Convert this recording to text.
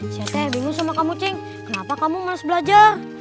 saya bingung sama kamu ceng kenapa kamu harus belajar